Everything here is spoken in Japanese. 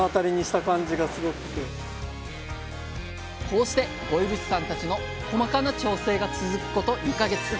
こうして五位渕さんたちの細かな調整が続くこと２か月。